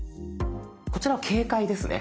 こちらは警戒ですね。